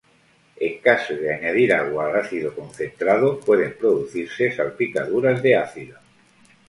En caso de añadir agua al ácido concentrado, pueden producirse salpicaduras de ácido.